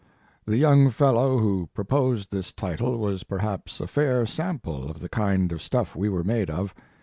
The young fellow who pro posed this title was perhaps a fair sample of the kind of stuff we were made of.